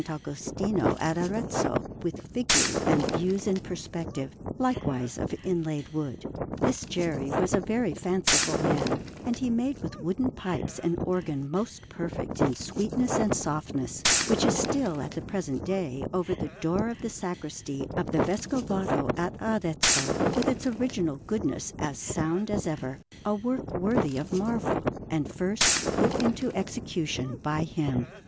Agostino at Arezzo with figures and views in perspective, likewise of inlaid wood. This Geri was a very fanciful man, and he made with wooden pipes an organ most perfect in sweetness and softness, which is still at the present day over the door of the Sacristy of the Vescovado at Arezzo, with its original goodness as sound as ever a work worthy of marvel, and first put into execution by him.